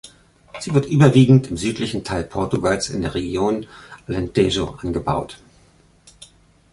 Sie wird überwiegend im südlichen Teil Portugals in der Region Alentejo angebaut.